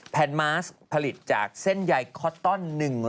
แนนมาร์สผลิตจากเส้นใยคอตตอน๑๐๐